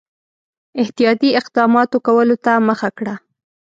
احتیاطي اقداماتو کولو ته مخه کړه.